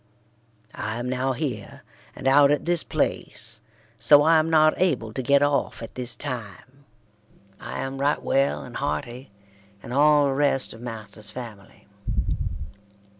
I am now here and out at this pleace so I am not abble to get of at this time. I am write well and hearty and all the rest of masters family.